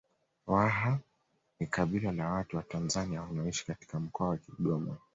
Waha ni kabila la watu wa Tanzania wanaoishi katika Mkoa wa Kigoma